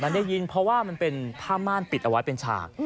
ได้ยินเพราะว่ามันเป็นผ้าม่านปิดเอาไว้เป็นฉาก